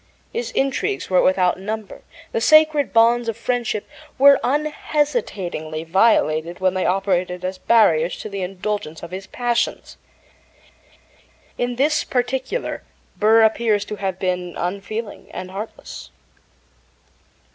His intrigues were without number; the sacred bonds of friendship were unhesitatingly violated when they operated as barriers to the indulgence of his passions. In this particular Burr appears to have been unfeeling and heartless.